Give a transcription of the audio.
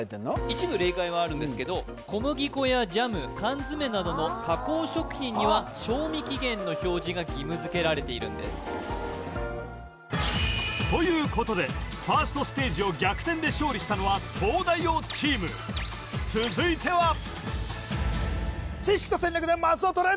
一部例外はあるんですけど小麦粉やジャム缶詰などの加工食品には賞味期限の表示が義務づけられているんですということでファーストステージを逆転で勝利したのは東大王チーム続いては知識と戦略でマスを取れ！